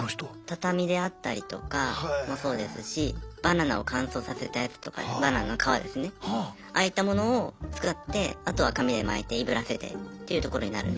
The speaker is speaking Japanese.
畳であったりとかもそうですしバナナを乾燥させたやつとかバナナの皮ですねああいったものを作ってあとは紙で巻いていぶらせてっていうところになる。